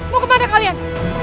mau kemana kalian